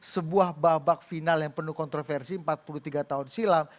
sebuah babak final yang penuh kontroversi empat puluh tiga tahun silam